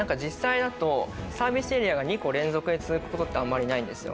なんか実際だとサービスエリアが２個連続で続く事ってあんまりないんですよ。